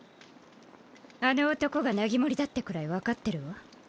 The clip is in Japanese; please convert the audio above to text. あの男がナギモリだってくらい分かってるわ。